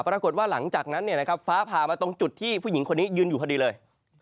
ปรากฏว่าหลังจากนั้นฟ้าผ่ามาตรงจุดที่ผู้หญิงคนนี้ยืนอยู่พอดีเลย